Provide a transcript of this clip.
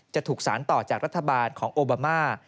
จะถูกสารต่อจากรัฐบาลของโอบามา